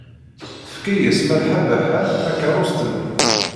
Tefka-as Malḥa Baḥa takeṛṛust-nni.